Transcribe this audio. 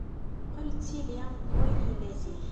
Yeqqel d tili n wayen yella zik.